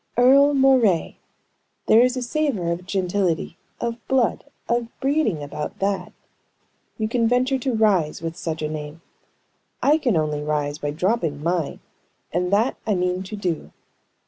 Earle Moray. There is a savor of gentility, of blood, of breeding, about that. You can venture to rise with such a name. I can only rise by dropping mine, and that I mean to do."